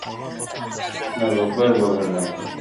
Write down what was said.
داببر ببر لاسونه !.